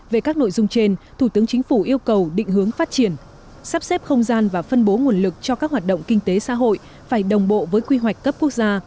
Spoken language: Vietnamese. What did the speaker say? về các nội dung trên thủ tướng chính phủ yêu cầu định hướng phát triển sắp xếp không gian và phân bố nguồn lực cho các hoạt động kinh tế xã hội phải đồng bộ với quy hoạch cấp quốc gia